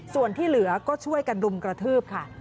ส่วนที่เหลือก็ช่วยกันรุมกระทืบค่ะ